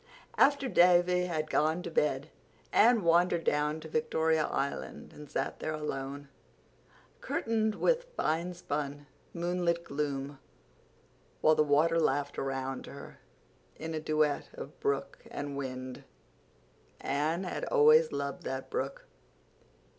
After Davy had gone to bed Anne wandered down to Victoria Island and sat there alone, curtained with fine spun, moonlit gloom, while the water laughed around her in a duet of brook and wind. Anne had always loved that brook.